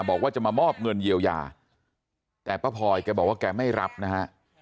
บอกว่าจะมามอบเงินเยียวยาแต่ป้าพลอยแกบอกว่าแกไม่รับนะฮะ